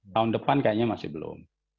tahun depan kayaknya masih belum